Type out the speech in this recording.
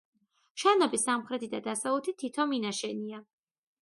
შენობის სამხრეთით და დასავლეთით თითო მინაშენია.